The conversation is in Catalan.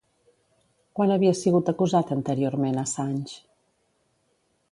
Quan havia sigut acusat anteriorment Assange?